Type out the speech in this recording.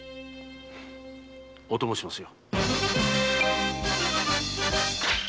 お供しますよ。